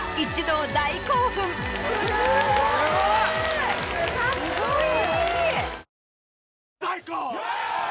すごい！カッコいい！